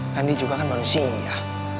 kan dia juga kan manusia ya